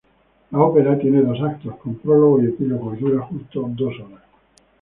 La ópera tiene dos actos, con prólogo y epílogo y dura justo dos horas.